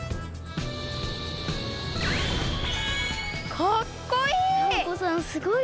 かっこいい！